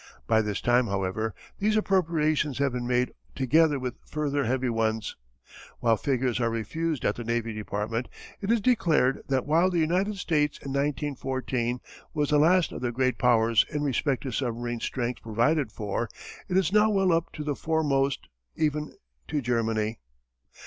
By this time however these appropriations have been made together with further heavy ones. While figures are refused at the Navy Department, it is declared that while the United States in 1914 was the last of the great powers in respect to submarine strength provided for, it is now well up to the foremost, even to Germany.